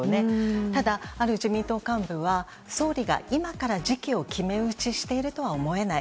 ただある自民党幹部は総理が今から時期を決め打ちしているとは思えない。